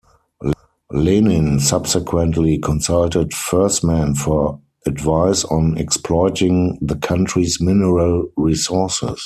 Lenin subsequently consulted Fersman for advice on exploiting the country's mineral resources.